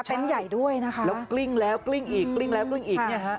ใหญ่ด้วยนะคะแล้วกลิ้งแล้วกลิ้งอีกกลิ้งแล้วกลิ้งอีกเนี่ยฮะ